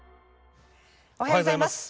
おはようございます。